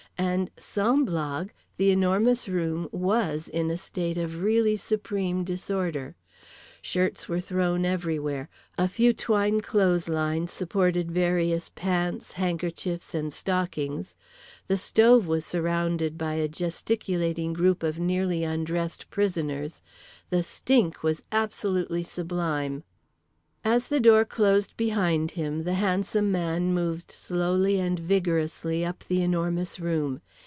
And sans blague, The Enormous Room was in a state of really supreme disorder; shirts were thrown everywhere, a few twine clothes lines supported various pants, handkerchiefs and stockings, the stove was surrounded by a gesticulating group of nearly undressed prisoners, the stink was actually sublime. As the door closed behind him, the handsome man moved slowly and vigorously up The Enormous Room.